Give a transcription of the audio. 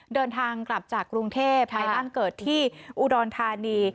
เดินทางกลับจากกรุงเทพไปบ้านเกิดที่อุดรธานี